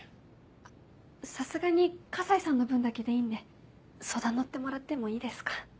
あさすがに河西さんの分だけでいいんで相談乗ってもらってもいいですか？